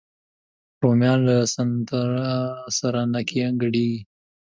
رومیان له سنتر سره نه ګډېږي